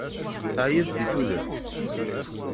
Teεyiḍ si tudert?